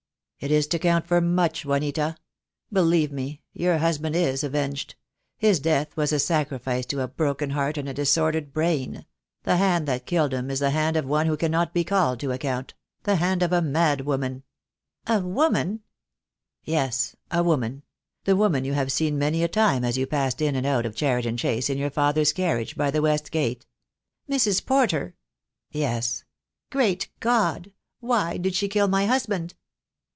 "It is to count for much, Juanita. Believe me, your husband is avenged. His death was a sacrifice to a broken heart and a disordered brain. The hand that killed him is the hand of one who cannot be called to account — the hand of a mad woman." "A woman?" THE DAY WILL COME. 75 "Yes, a woman. The woman you have seen many a time as you passed in and out of Cheriton Chase in your father's carriage by the West Gate." "Mrs. Porter?" "Yes." "Great God! why did she kill my husband?"